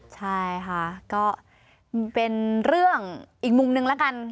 ใช่ค่ะก็เป็นเรื่องอีกมุมนึงแล้วกัน